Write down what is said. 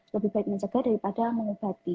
lebih baik mencegah daripada mengobati